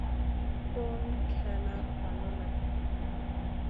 কোন খেলা ভালো লাগে?